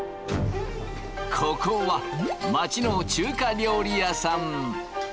ここは街の中華料理屋さん。